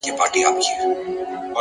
بدلون د ودې برخه ده!.